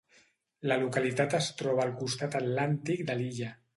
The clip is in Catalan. La localitat es troba al costat Atlàntic de l'illa.